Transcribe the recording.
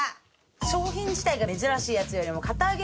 商品自体が珍しいやつよりも堅あげ